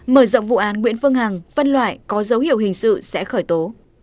mở rộng vụ án nguyễn phương hằng phân loại có dấu hiệu hình sự sẽ khởi tố